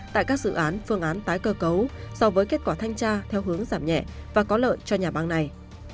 tại các dự án phương án tái cơ cấu so với kết quả thanh tra theo hướng giảm nhẹ và có lợi cho nhà băng này